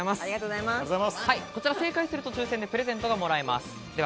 こちら正解すると、抽選でプレゼントがもらえます。